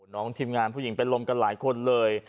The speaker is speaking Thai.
ทีมงานผู้หญิงเป็นลมกันหลายคนเลย